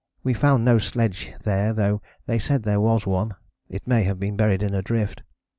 We found no sledge there though they said there was one: it may have been buried in drift.